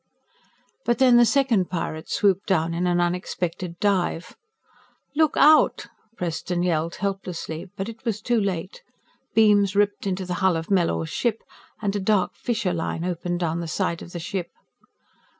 But then the second pirate swooped down in an unexpected dive. "Look out!" Preston yelled helplessly but it was too late. Beams ripped into the hull of Mellors' ship, and a dark fissure line opened down the side of the ship.